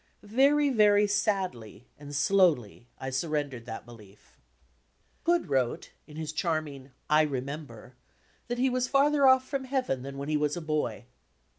Very, very sadly and slowly I surrendered that belief. Hood wrote, in his charming / Remember that he was farther off from Heaven than when he was a boy.